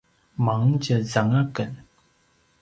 mangtjezanga aken